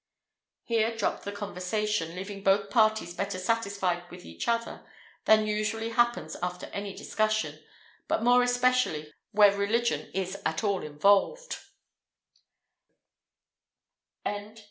Here dropped the conversation, leaving both parties better satisfied with each other than usually happens after any discussion, but more especially where religion is at all involved.